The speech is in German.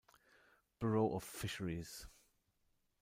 Bureau of Fisheries.